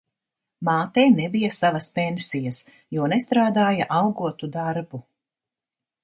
Mātei nebija savas pensijas, jo nestrādāja algotu darbu.